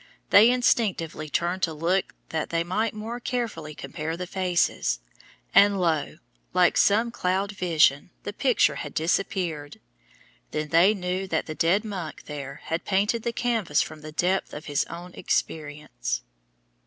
They instinctively turned to look that they might more carefully compare the faces, and lo! like some cloud vision, the picture had disappeared. Then they knew that the dead monk there had painted the canvas from the depth of his own experience.